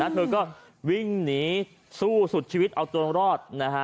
เธอก็วิ่งหนีสู้สุดชีวิตเอาตัวรอด